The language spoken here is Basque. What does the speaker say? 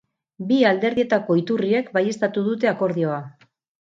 Bi alderdietako iturriek baieztatu dute akordioa.